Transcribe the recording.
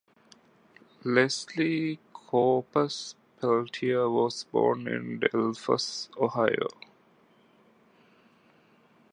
Leslie Copus Peltier was born in Delphos, Ohio.